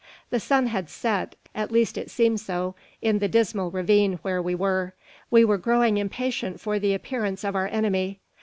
The sun had set, at least it seemed so, in the dismal ravine where we were. We were growing impatient for the appearance of our enemy.